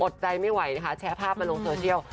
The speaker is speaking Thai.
ใจไม่ไหวนะคะแชร์ภาพมาลงโซเชียล